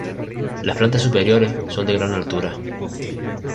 Las plantas superiores son de gran altura.